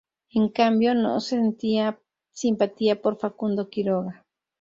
En cambio, no sentía simpatía por Facundo Quiroga.